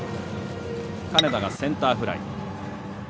金田がセンターフライ。